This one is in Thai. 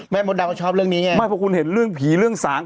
มดดำก็ชอบเรื่องนี้ไงไม่เพราะคุณเห็นเรื่องผีเรื่องสาง